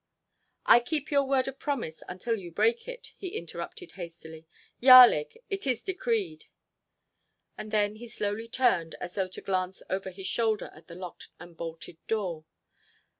"I keep your word of promise until you break it," he interrupted hastily. "Yarlig! It is decreed!" And then he slowly turned as though to glance over his shoulder at the locked and bolted door.